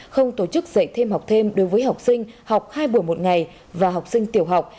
không tổ chức dạy thêm học thêm đối với học sinh học hai buổi một ngày và học sinh tiểu học